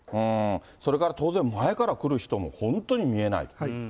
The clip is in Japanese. それから当然、前から来る人も本当に見えない。